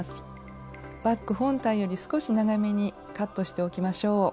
バッグ本体より少し長めにカットしておきましょう。